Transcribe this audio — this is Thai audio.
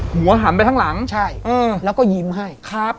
หัวหันไปทั้งหลังใช่แล้วก็ยิ้มให้